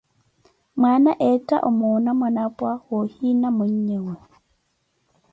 Mwaana ettha omoona mwanapwa, woohina mweenyewe.